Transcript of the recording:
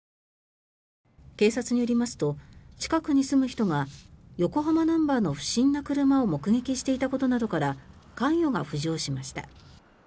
警察によりますと近くに住む人が横浜ナンバーの不審な車を目撃していたことなどから関与が浮上しました。